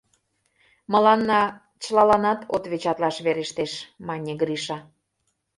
— Мыланна чылаланат отвечатлаш верештеш, — мане Гриша.